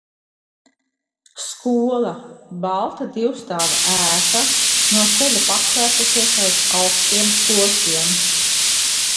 Skola - balta divstāvu ēka - no ceļa paslēpusies aiz augstiem kokiem.